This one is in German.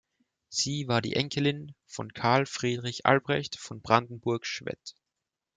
Sie war die Enkelin von Karl Friedrich Albrecht von Brandenburg-Schwedt.